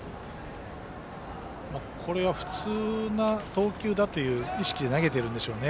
これが普通の投球だという意識で投げているんでしょうね。